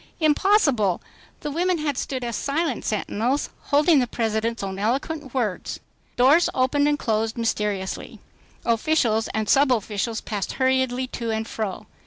Impossible! The women had stood as silent sentinels holding the President's own eloquent words. Doors opened and closed mysteriously. Officials and subofficials passed hurriedly to and fro.